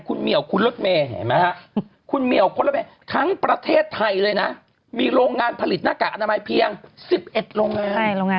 คุณเมี่ยวคุณฤัษเมไหมฮะทั้งประเทศไทยเลยนะมีโรงงานผลิตนะคะอนามัยเพียง๑๑โรงงาน